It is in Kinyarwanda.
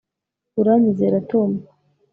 uranyizera, tom